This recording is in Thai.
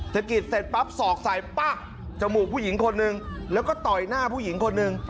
กิจเสร็จปั๊บสอกใส่ปะจมูกผู้หญิงคนหนึ่งแล้วก็ต่อยหน้าผู้หญิงคนหนึ่ง